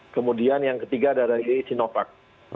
kemudian yang ketiga dari sinovac